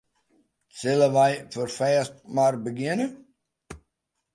Sille wy ferfêst mar begjinne?